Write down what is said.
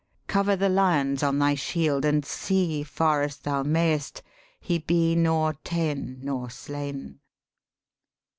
Cover the lions on thy shield, and see, Far as thou mayest, he be nor ta'en nor slain.'